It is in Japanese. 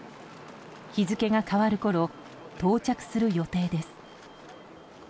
日付が変わるころ到着する予定です。